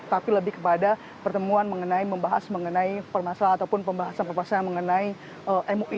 tapi lebih kepada pertemuan mengenai membahas mengenai permasalahan ataupun pembahasan pembahasan mengenai mui